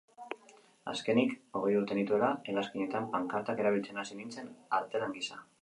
Azkenik, hogei urte nituela, hegazkinetan pankartak erabiltzen hasi nintzen artelan gisa.